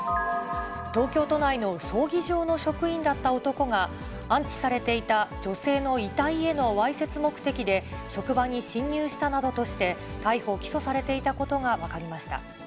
東京都内の葬儀場の職員だった男が、安置されていた女性の遺体へのわいせつ目的で職場に侵入したなどとして、逮捕・起訴されていたことが分かりました。